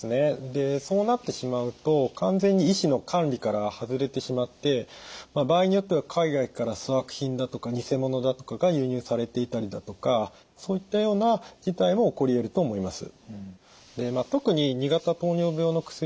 でそうなってしまうと完全に医師の管理から外れてしまって場合によっては海外から粗悪品だとか偽物だとかが輸入されていたりだとかそういったような事態も起こりえると思います。